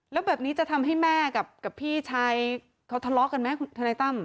แล้วแบบนี้จะทำให้แม่กับพี่ชายเขาทะเลาะกันไหมคุณทนายตั้ม